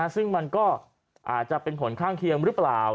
ซึ่งมันก็อาจจะเป็นผลข้างเคียงหรือเปล่า